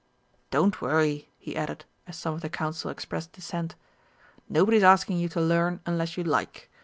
Don't worry," he added, as some of the Council expressed dissent, "nobody's asking you to learn unless you like.